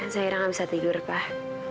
saya nggak bisa tidur pak